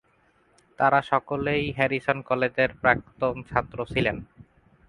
তারা সকলেই হ্যারিসন কলেজের প্রাক্তন ছাত্র ছিলেন।